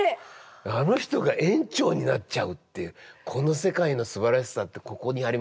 あの人が園長になっちゃうっていうこの世界のすばらしさってここにありますよね。